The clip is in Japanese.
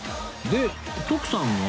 で徳さんは？